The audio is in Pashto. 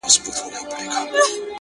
• ځوان د خپلي خولگۍ دواړي شونډي قلف کړې؛